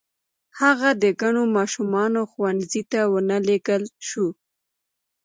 هغه د کڼو ماشومانو ښوونځي ته و نه لېږل شو.